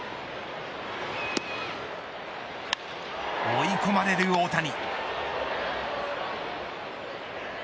追い込まれる大谷。